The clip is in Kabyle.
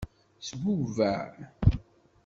Zbubeɛ.